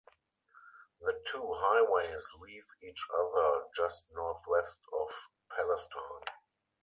The two highways leave each other just northwest of Palestine.